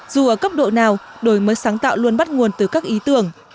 dù ở cấp độ nào đổi mới sáng tạo luôn bắt nguồn từ các ý tưởng